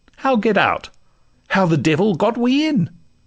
How get out? how the devil got we in?